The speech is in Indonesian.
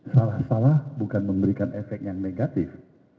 salah salah bukan memberikan efek yang negatif